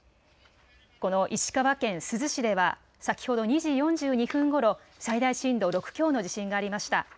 この石川県珠洲市では先ほど２時４２分ごろ、最大震度６強の地震がありました。